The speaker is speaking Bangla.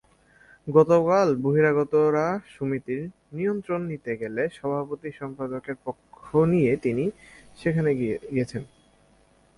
গতকাল বহিরাগতরা সমিতির নিয়ন্ত্রণ নিতে গেলে সভাপতি-সম্পাদকের পক্ষ নিয়ে তিনি সেখানে গেছেন।